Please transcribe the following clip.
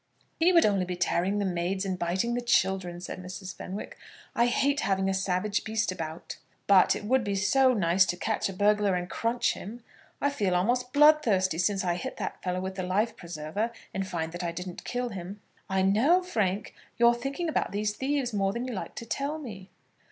"He would only be tearing the maids and biting the children," said Mrs. Fenwick. "I hate having a savage beast about." "But it would be so nice to catch a burglar and crunch him. I feel almost bloodthirsty since I hit that fellow with the life preserver, and find that I didn't kill him." "I know, Frank, you're thinking about these thieves more than you like to tell me."